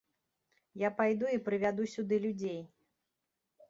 Я пайду і прывяду сюды людзей.